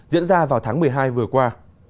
diễn ra vào tháng một mươi hai vừa qua